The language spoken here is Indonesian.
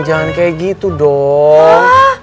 jangan kaya gitu dong